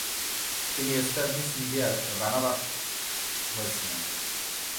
তিনি star miss ইন্ডিয়ার রানার-আপও হয়েছিলেন।